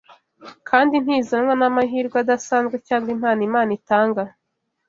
kandi ntizanwa n’amahirwe adasanzwe cyangwa impano Imana itanga